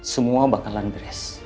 semua bakalan beres